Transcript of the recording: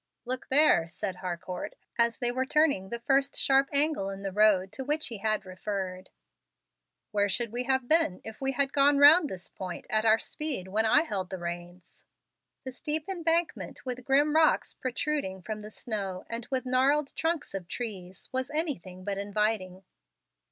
"Look there," said Harcourt, as they were turning the first sharp angle in the road to which he had referred. "Where should we have been if we had gone round this point at our speed when I held the reins?" The steep embankment, with grim rocks protruding from the snow and with gnarled trunks of trees, was anything but inviting.